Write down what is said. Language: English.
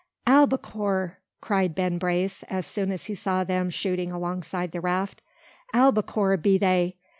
"Albacore!" cried Ben Brace, as soon as he saw them shooting alongside the raft. "Albacore be they.